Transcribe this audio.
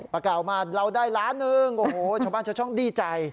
ประกาศออกมาเราได้ล้านหนึ่งโอ้โหชาวบ้านชาวช่องดีใจ